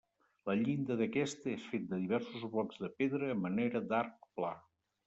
La llinda d'aquesta és fet de diversos blocs de pedra a manera d'arc pla.